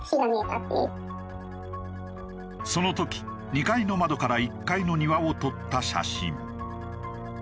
その時２階の窓から１階の庭を撮った写真。